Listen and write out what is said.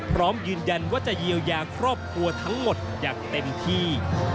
พร้อมยืนยันว่าจะเยียวยาครอบครัวทั้งหมดอย่างเต็มที่